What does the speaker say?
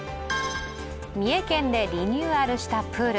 三重県でリニューアルしたプール。